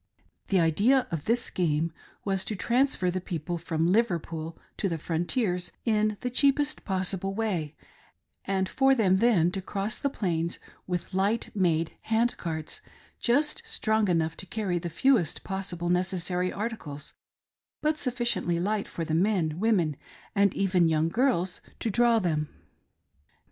The idea of this "scheme" was to transfer the people from Liverpool to the Frontiers in the cheapest possi ble way, and for fhem then to cross the Plains with light made hand carts, just strong enough to carry the fewest possi ble necessary articles, but sufficiently light for the men, women, and even young girls, to draw them.